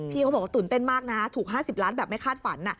เขาบอกว่าตื่นเต้นมากนะถูก๕๐ล้านแบบไม่คาดฝัน